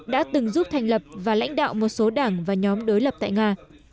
đã từng giúp thành lập và lãnh đạo một số đảng và nhóm đối lập tại nga